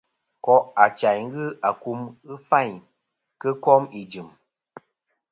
Nkò' achayn ghɨ akum ghɨ fayn kɨ kom ijɨm.